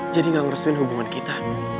jadi gak ngerespin hubungan kita